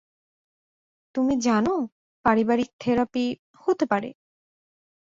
তুমি জান, পারিবারিক থেরাপি, হতে পারে।